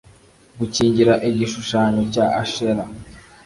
Gukingira igishushanyo cya ashera